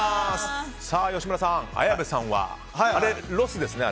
吉村さん、綾部さんはあれ、ロスですよね。